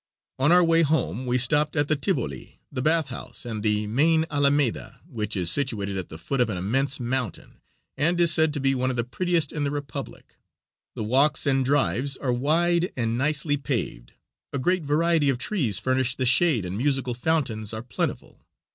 On our way home we stopped at the Tivoli, the bath house and the main alameda, which is situated at the foot of an immense mountain, and is said to be one of the prettiest in the Republic. The walks and drives are wide and nicely paved, a great variety of trees furnish the shade and musical fountains are plentiful.